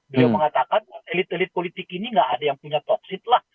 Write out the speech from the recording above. beliau mengatakan elit elit politik ini nggak ada yang punya toksit lah